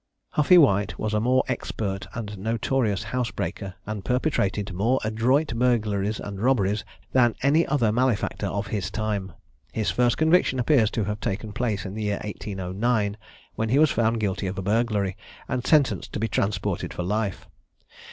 Huffey White was a more expert and notorious housebreaker, and perpetrated more adroit burglaries and robberies, than any other malefactor of his time. His first conviction appears to have taken place in the year 1809, when he was found guilty of a burglary, and sentenced to be transported for life.